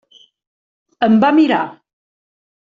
Em va mirar.